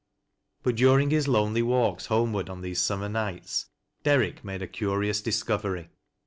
But during his lonely walks homeward on these summei nights, Derrick made a carious discovery.